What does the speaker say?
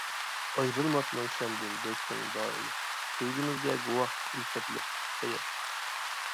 ئايرىلماسمەن سەندىن دەيتتىڭ دائىما، سۆيگۈمىزگە گۇۋاھ ئۈلپەتلەر خەير.